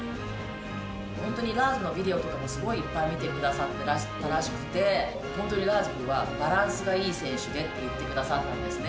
本当にラーズのビデオとかもすごいいっぱい見てくださってたらしくて、本当に、ラーズ君はバランスがいい選手でって言ってくださったんですね。